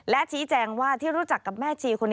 และชี้แจงว่าที่รู้จักกับแม่ชีคนนี้